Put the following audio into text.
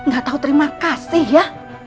gak tahu terima kasih ya